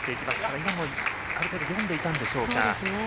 今のもある程度読んでいたんでしょうか。